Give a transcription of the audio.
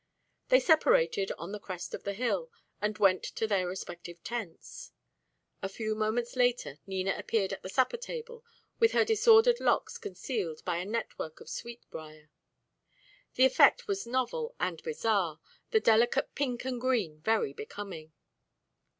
They separated on the crest of the hill, and went to their respective tents. A few moments later Nina appeared at the supper table with her disordered locks concealed by a network of sweet brier. The effect was novel and bizarre, the delicate pink and green very becoming.